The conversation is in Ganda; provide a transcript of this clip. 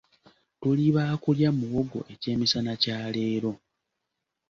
Tuli baakulya muwogo ekyemisana kya leero.